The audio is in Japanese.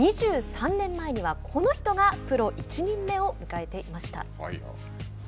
２３年前にはこの人がプロ１年目を迎えていました。